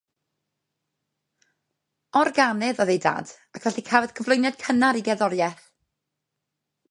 Organydd oedd ei dad, ac felly cafodd gyflwyniad cynnar i gerddoriaeth.